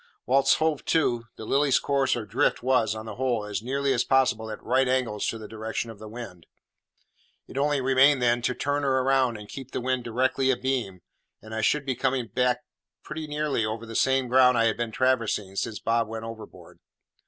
Whilst hove to, the Lily's course or drift was, on the whole, as nearly as possible at right angles to the direction of the wind. It only remained then to turn her round and keep the wind directly abeam, and I should be going back pretty nearly over the same ground I had been traversing since Bob went overboard.